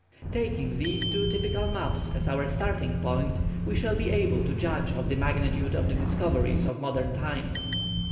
Taking these two typical maps as our starting point, we shall be able to judge of the magnitude of the discoveries of modern times.